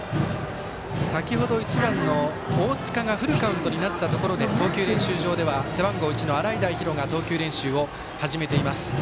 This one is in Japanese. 先ほど、１番の大塚がフルカウントになったところで投球練習場では背番号１の洗平比呂が投球練習を始めています。